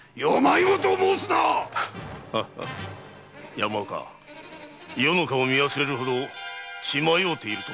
山岡余の顔を見忘れるほど血迷うていると見えるな。